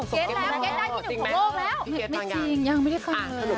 กับเพลงที่มีชื่อว่ากี่รอบก็ได้